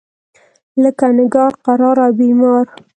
لکه نګار، قرار او بیمار.